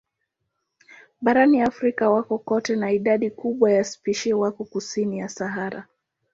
Barani Afrika wako kote na idadi kubwa ya spishi wako kusini ya Sahara.